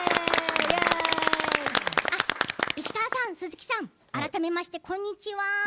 石川さん、鈴木さん改めましてこんにちは。